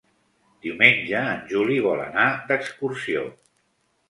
Diumenge en Juli vol anar d'excursió.